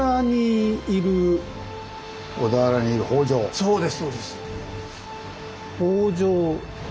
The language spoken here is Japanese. そうです。